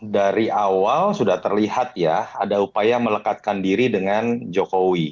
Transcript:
dari awal sudah terlihat ya ada upaya melekatkan diri dengan jokowi